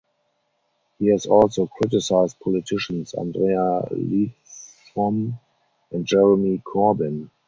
He has also criticised politicians Andrea Leadsom and Jeremy Corbyn.